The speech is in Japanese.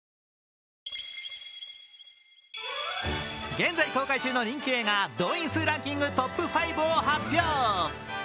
現在公開中の人気映画動員数ランキングトップ５を発表。